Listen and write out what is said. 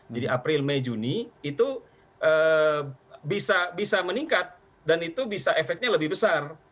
jadi april mei juni itu bisa meningkat dan itu bisa efeknya lebih besar